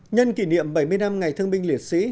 nhân kỷ niệm bảy mươi năm ngày thương binh liệt sĩ